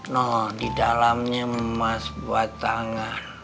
nah di dalamnya emas batang